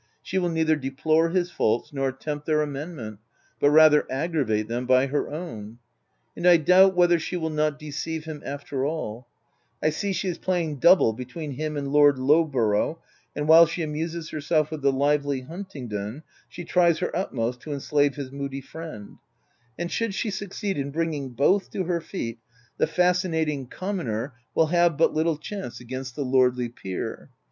She will neither deplore his faults nor attempt their amendment, but rather aggravate them by her own. And I doubt whether she will not deceive him after all: I see she is playing double between him and Lord Lowborough, 342 THE TENANT and while she amuses herself with the lively Huntingdon, she tries her utmost to enslave his moody friend ; and should she succeed in bringing both to her feet, the fascinating com moner will have but little chance against the lordly peer.